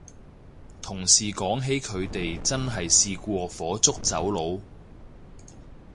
同事講起佢哋真係試過火燭走佬